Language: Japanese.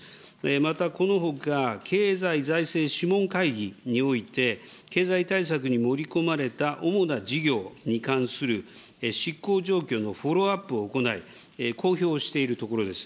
またこのほか、経済財政諮問会議において、経済対策に盛り込まれた主な事業に関する執行状況のフォローアップを行い、公表しているところです。